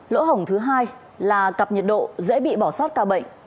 lỗ hổng thứ hai là cặp nhiệt độ dễ bị bỏ sót ca bệnh